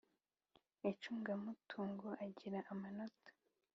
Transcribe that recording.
Icungamutungo agira amanota